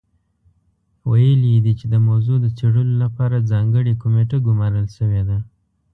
ویلي یې دي چې د موضوع د څېړلو لپاره ځانګړې کمېټه ګمارل شوې ده.